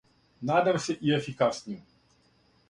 Надам се и ефикаснију.